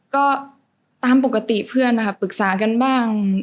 ก็ตามปกติเพื่อนนะคะปรึกษากันบ้าง